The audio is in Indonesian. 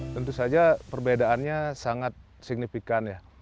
tentu saja perbedaannya sangat signifikan ya